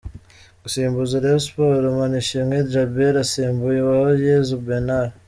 Gusimbuza Rayon Sports: Manishimwe Djabel asimbuye Uwayezu Bernard.